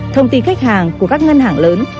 thông tin khách hàng của các ngân hàng lớn